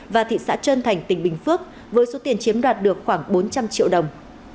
và thị xã trơn thành tỉnh bình phước với số tiền chiếm đoạt được khoảng bốn trăm linh triệu đồng